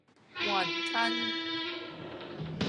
雲吞